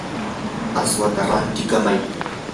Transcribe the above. aswata rantikamay.